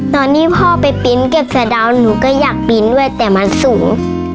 ตอนนี้พ่อไปปินเก็บสะดาวหนูก็อยากปีนด้วยแต่มันสูง